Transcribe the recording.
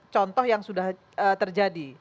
contoh yang sudah terjadi